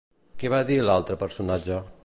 Què va dir l'altre personatge?